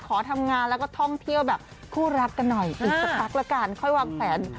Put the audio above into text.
ขอทำงานแล้วก็ท่องเที่ยวแบบคู่รักกันหน่อยอีกสักพักละกันค่อยวางแผน